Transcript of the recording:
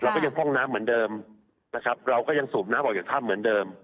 เราก็ยังฟ่องน้ำเหมือนเดิมเราก็ยังสูบน้ำออกอย่างถ้ำเหมือนเดิม